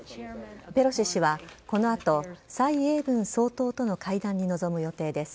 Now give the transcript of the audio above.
ペロシ氏はこの後蔡英文総統との会談に臨む予定です。